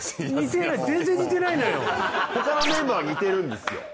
他のメンバーは似てるんですよ